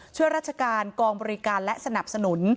ช่วยราชการกองบริการและสนับสนุน